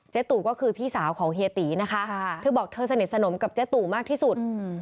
ตู่ก็คือพี่สาวของเฮียตีนะคะเธอบอกเธอสนิทสนมกับเจ๊ตู่มากที่สุด